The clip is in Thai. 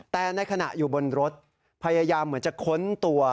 แต่ในขณะอยู่บนรถพยายามเหมือนจะค้นตัว